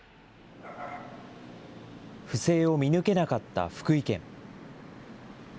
不正を見抜けなかった福井県。